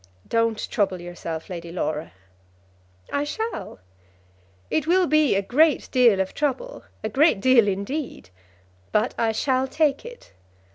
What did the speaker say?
"Don't trouble yourself, Lady Laura." "I shall. It will be a great deal of trouble, a great deal, indeed; but I shall take it.